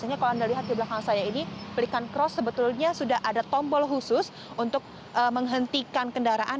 hanya kalau anda lihat di belakang saya ini pelikan cross sebetulnya sudah ada tombol khusus untuk menghentikan kendaraan